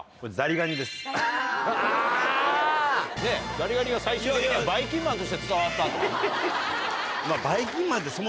ザリガニが最終的にはばいきんまんとして伝わったと。